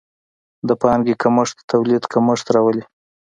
د پانګې کمښت د تولید کمښت راولي.